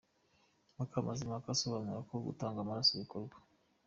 Mukamazimpaka asobanura uko gutanga amaraso bikorwa.